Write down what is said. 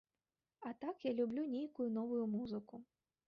А так я люблю нейкую новую музыку.